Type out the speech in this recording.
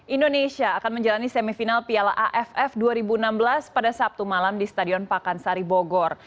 indonesia akan menjalani semifinal piala aff dua ribu enam belas pada sabtu malam di stadion pakansari bogor